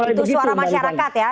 itu suara masyarakat ya